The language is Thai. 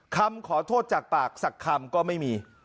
คำขอโทษจากปากสักคำก็ไม่มี